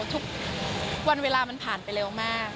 ทุกวันเวลามันผ่านไปเร็วมาก